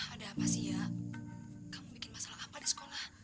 ada apa sih ya kamu bikin masalah apa di sekolah